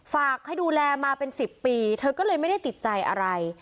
ฝากให้ดูแลมาเป็น๑๐ปีเธอก็เลยไม่ได้ติดใจอะไร